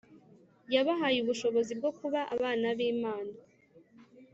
yabahaye ubushobozi bwo kuba abana b Imana